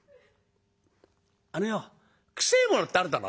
あのよ臭えものってあるだろ？